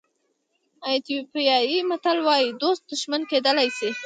ایتیوپیایي متل وایي دوست دښمن کېدلی شي.